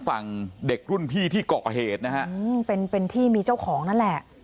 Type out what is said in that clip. ฝั่งเด็กรุ่นพี่ที่เกาะเหตุนะฮะอืมเป็นเป็นที่มีเจ้าของนั่นแหละ